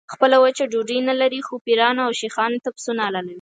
خپله وچه ډوډۍ نه لري خو پیرانو او شیخانو ته پسونه حلالوي.